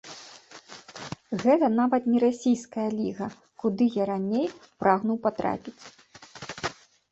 Гэта нават не расійская ліга, куды я раней прагнуў патрапіць.